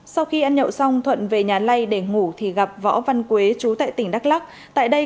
sau khi ăn nhậu xong thuận về nhà lây để ngủ thì gặp võ văn quế chú tại tỉnh đắk lắc tại đây